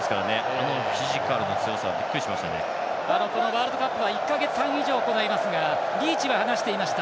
あのフィジカルの強さはワールドカップは１か月半以上、行いますがリーチは話していました。